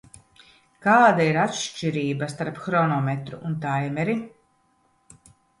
Kāda ir atšķirība starp hronometru un taimeri?